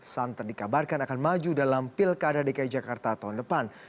santer dikabarkan akan maju dalam pilkada dki jakarta tahun depan